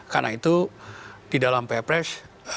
karena itu di dalam perpres